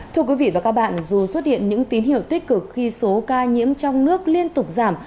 thưa quý vị và các bạn dù xuất hiện những tín hiệu tích cực khi số ca nhiễm trong nước liên tục giảm